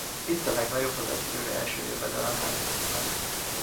Itt a legnagyobb az egy főre eső jövedelem Helsinkiben.